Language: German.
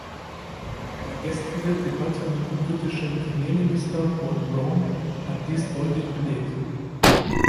Die gestrige Debatte mit dem britischen Premierminister Gordon Brown hat dies deutlich belegt.